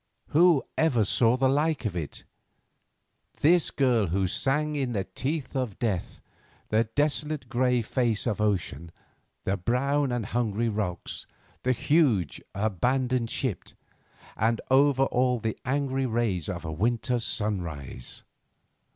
Whoever saw the like of it? This girl who sang in the teeth of death, the desolate grey face of ocean, the brown and hungry rocks, the huge, abandoned ship, and over all the angry rays of a winter sunrise.